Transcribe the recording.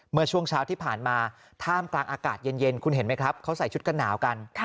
เมื่อช่วงเช้าที่ผ่านมาท่ามกลางอากาศเย็นคุณเห็นไหมครับเขาใส่ชุดกันหนาวกัน